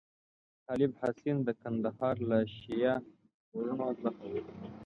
طالب حسین د کندهار له شیعه وروڼو څخه وو.